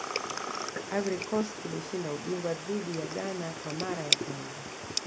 ivory coast ilishinda ubingwa dhidi ya ghana kwa mara ya kwanza